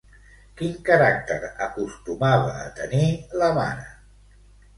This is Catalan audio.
Quin caràcter acostumava a tenir la mare?